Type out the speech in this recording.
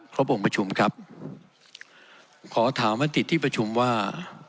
องค์ประชุมครับขอถามมติที่ประชุมว่า